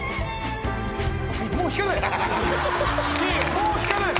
もう弾かない。